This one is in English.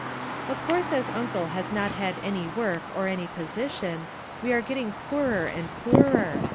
Of course as Uncle has not any work or any position, we are getting poorer and poorer.